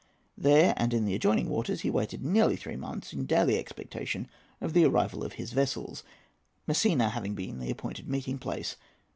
There, and in the adjoining waters, he waited nearly three months, in daily expectation of the arrival of his vessels, Messina having been the appointed meeting place.